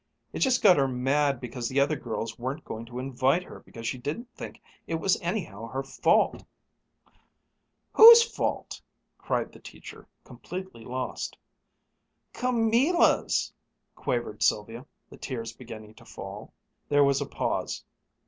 "It just made her mad because the girls weren't going to invite her because she didn't think it was anyhow her fault." "Whose fault!" cried the teacher, completely lost. "Camilla's," quavered Sylvia, the tears beginning to fall. There was a pause.